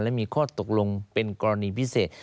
และมีข้อตกลงเป็นกรณีพิเศษ